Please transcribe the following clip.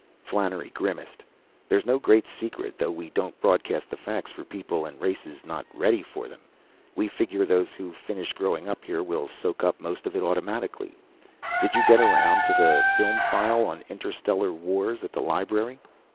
Flannery grimaced. "There's no great secret, though we don't broadcast the facts for people and races not ready for them. We figure those who finish growing up here will soak up most of it automatically. Did you get around to the film file on interstellar wars at the library?"